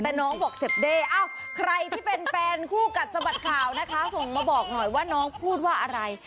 แต่น้องบอกเจ็บเด้อใครที่เป็นแฟนคู่กัดสะบัดข่าวนะคะส่งมาบอกหน่อยว่าน้องพูดว่าอะไร